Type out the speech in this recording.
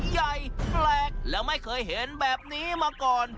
ใหญ่แปลกและไม่เคยเห็นแบบนี้มาก่อน